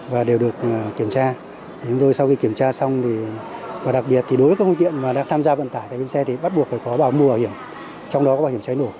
và đều được kiểm tra chúng tôi sau khi kiểm tra xong và đặc biệt thì đối với các phương tiện mà đang tham gia vận tải tại bến xe thì bắt buộc phải có bảo mua bảo hiểm trong đó có bảo hiểm cháy nổ